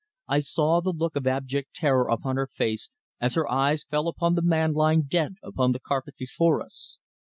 I saw the look of abject terror upon her face as her eyes fell upon the man lying dead upon the carpet before us.